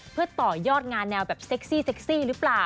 เพื่อต่อยอดงานแนวแบบเซ็กซี่เซ็กซี่หรือเปล่า